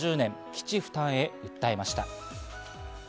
基地負担へ訴えました。